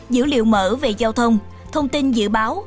dữ liệu mở về giao thông thông tin dự báo